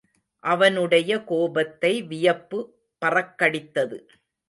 அவனுடைய கோபத்தை வியப்பு பறக்கடித்தது.